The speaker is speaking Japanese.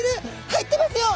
入ってますよ。